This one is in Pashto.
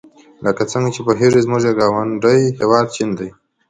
لکه څنګه چې پوهیږئ زموږ یو ګاونډي هېواد چین دی.